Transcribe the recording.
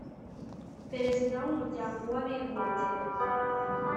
perezida wu muryango wabibumbye